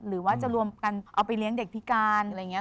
หรือว่าจะรวมกันเอาไปเลี้ยงเด็กพิการอะไรอย่างนี้